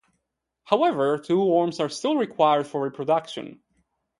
However, two worms are still required for reproduction.